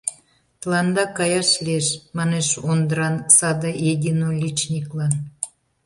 Тыланда каяш лиеш... — манеш Ондран саде единоличниклан.